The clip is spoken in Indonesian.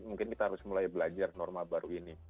mungkin kita harus mulai belajar norma baru ini